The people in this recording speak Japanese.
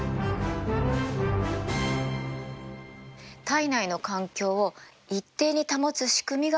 体内の環境を一定に保つ仕組みが免疫。